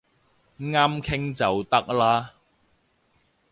啱傾就得啦